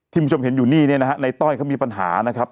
คุณผู้ชมเห็นอยู่นี่เนี่ยนะฮะในต้อยเขามีปัญหานะครับ